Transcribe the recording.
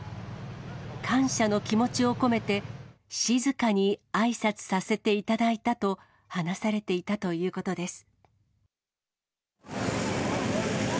感謝の気持ちを込めて、静かにあいさつさせていただいたと話されていたということです。